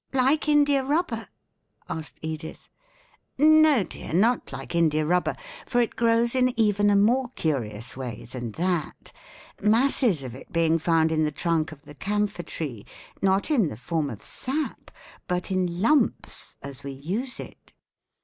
"Like India rubber?" asked Edith. "No, dear, not like India rubber, for it grows in even a more curious way than that, masses of it being found in the trunk of the camphor tree not in the form of sap, but in lumps, as we use it."